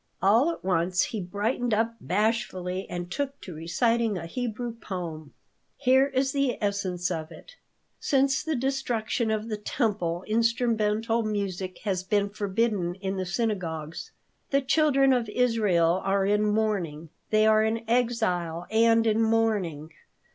All at once he brightened up bashfully and took to reciting a Hebrew poem. Here is the essence of it: "Since the destruction of the Temple instrumental music has been forbidden in the synagogues. The Children of Israel are in mourning. They are in exile and in mourning.